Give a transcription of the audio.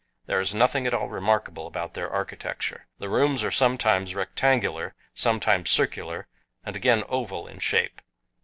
There is nothing at all remarkable about their architecture. The rooms are sometimes rectangular, sometimes circular, and again oval in shape.